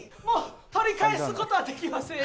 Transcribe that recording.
取り返すことができません。